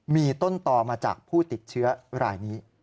มีต้นต่อมาจากผู้ติดเชื้อรายนี้